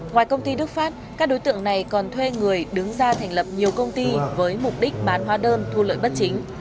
ngoài công ty đức phát các đối tượng này còn thuê người đứng ra thành lập nhiều công ty với mục đích bán hóa đơn thu lợi bất chính